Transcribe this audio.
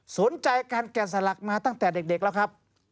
สนใจการแกะสลักมาตั้งแต่เด็กแล้วครับ